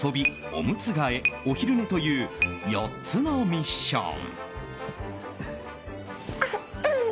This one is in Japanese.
オムツ替えお昼寝という４つのミッション。